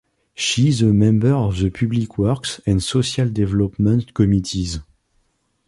She is a member of the Public Works and Social Development committees.